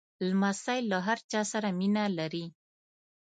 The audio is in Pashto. لمسی له هر چا سره مینه لري.